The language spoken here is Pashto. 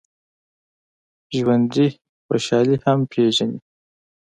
ژوندي خوشحالي هم پېژني